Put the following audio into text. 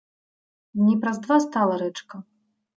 Дні праз два стала рэчка.